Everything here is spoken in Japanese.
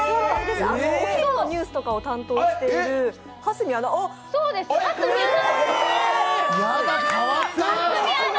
お昼のニュースとかを担当している蓮見アナ。